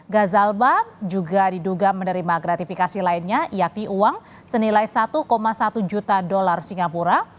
gazalba juga diduga menerima gratifikasi lainnya yakni uang senilai satu satu juta dolar singapura